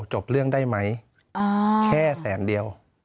จบเรื่องได้ไหมแค่แสนเดียว